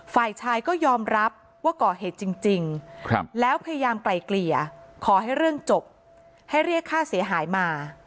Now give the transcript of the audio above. ฝ่ายชายก็ยอมรับว่าก่อเหตุจริงแล้วพยายามไกลเกลี่ยขอให้เรื่องจบให้เรียกค่าเสียหายมา